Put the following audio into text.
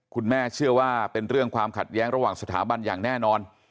เชื่อว่าเป็นเรื่องความขัดแย้งระหว่างสถาบันอย่างแน่นอน